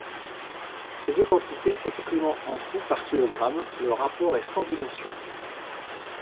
Ces deux quantités s'exprimant en coût par kilogramme, le rapport est sans dimension.